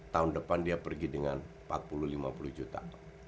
tahun depan dia pergi dengan empat puluh lima puluh juta